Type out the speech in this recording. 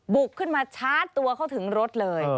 บุกขึ้นมาชาร์จตัวเขาถึงรถเลย